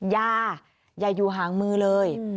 อย่าอย่าอยู่ห่างมือเลย